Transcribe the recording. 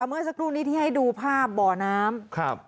เมื่อสักครู่นี้ที่ให้ดูภาพบ่อน้ำครับ